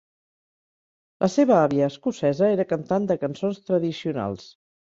La seva àvia escocesa era cantant de cançons tradicionals.